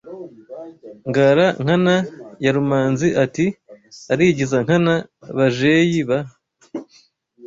Ngara Nkana ya Rumanzi ati Arigiza Nkana Bajeyi ba